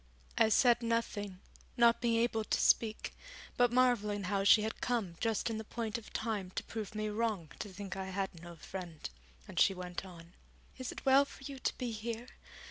I said nothing, not being able to speak, but marvelling how she had come just in the point of time to prove me wrong to think I had no friend; and she went on: 'Is it well for you to be here?